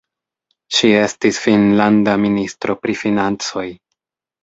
Ŝi estis finnlanda ministro pri financoj.